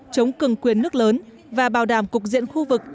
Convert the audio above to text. chống cường quyền nước lớn và bảo đảm cục diện khu vực